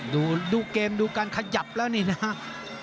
ดูเกมดูการขยับแล้วนี่นะครับ